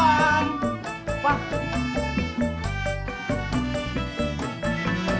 burrrr jangan pulang